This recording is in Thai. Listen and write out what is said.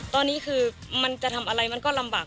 ตอนนี้คือมันจะทำอะไรมันก็ลำบาก